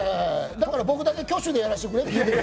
だから僕だけ挙手でやらせてくれって。